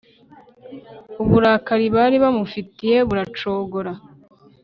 uburakari bari bamufitiye buracogora